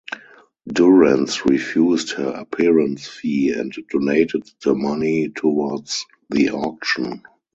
Durance refused her appearance fee and donated the money towards the auction.